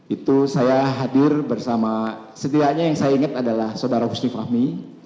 itu saya hadir bersama setidaknya yang saya ingat adalah saudara husni fahmi